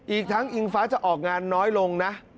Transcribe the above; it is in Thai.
อีกทั้งอิงฟ้าจะออกงานน้อยลงนะ